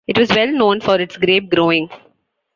It was well known for its grape growing.